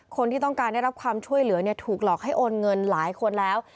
คนที่ต้องการได้รับความช่วยเหลือถูกหลอกให้โอนเงินหลายคนแล้ว